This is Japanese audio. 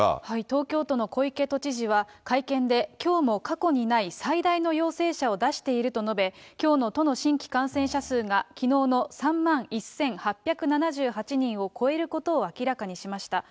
東京都の小池都知事は、会見で、きょうも過去にない最大の陽性者を出していると述べ、きょうの都の新規感染者数が、きのうの３万１８７８人を超えることを明らかにしました。